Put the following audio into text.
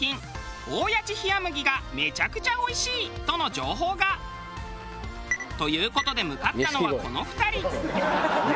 大矢知ひやむぎがめちゃくちゃおいしいとの情報が。という事で向かったのはこの２人。